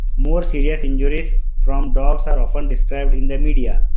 More serious injuries from dogs are often described in the media.